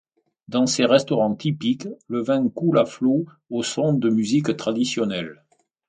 Dans ses restaurants typiques, le vin coule à flots au son de musiques traditionnelles.